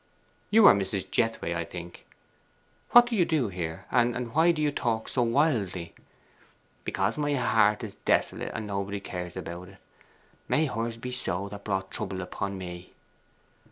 'You are Mrs. Jethway, I think. What do you do here? And why do you talk so wildly?' 'Because my heart is desolate, and nobody cares about it. May hers be so that brought trouble upon me!